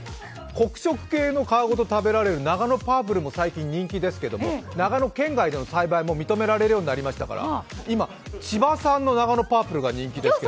黒色系の皮ごと食べられるナガノパープルも最近人気ですけど長野県外での栽培も認められるようになりましたから、今、千葉産のナガノパープルも人気ですよ。